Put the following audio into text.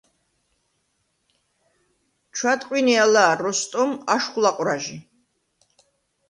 ჩვადყვინე ალა̄, როსტომ, აშხვ ლაყვრაჟი.